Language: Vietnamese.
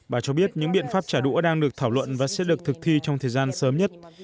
bà cho biết những biện pháp trả đũa đang được thảo luận và sẽ được thực thi trong thời gian sớm nhất